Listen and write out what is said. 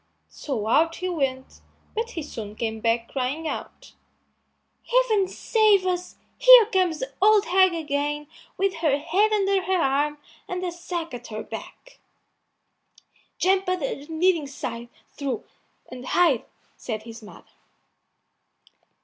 So out he went, but he soon came back crying out, "Heaven save us! Here comes the old hag again with her head under her arm and a sack at her back." "Jump under the kneading trough and hide," said his mother.